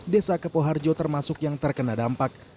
desa kepoharjo termasuk yang terkena dampak